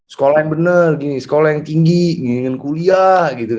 sekolah yang bener gini sekolah yang tinggi ingin kuliah gitu